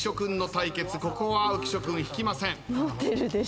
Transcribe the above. ここは浮所君引きません。